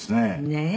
ねえ。